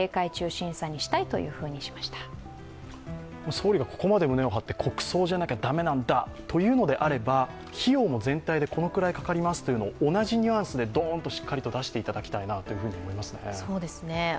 総理がここまで胸を張って国葬じゃなきゃ駄目なんだというのであれば費用も全体でこのくらいかかりますというのを同じニュアンスでどーんとしっかり出していただきたいと感じますね。